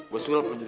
gue surat pun jadi